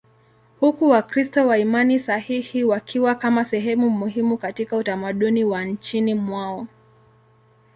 huku Wakristo wa imani sahihi wakiwa kama sehemu muhimu katika utamaduni wa nchini mwao.